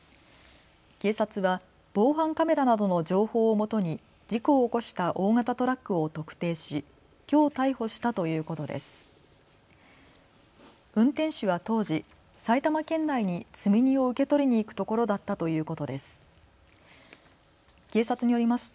警察は防犯カメラなどの情報をもとに事故を起こした大型トラックを特定しきょう逮捕したということです。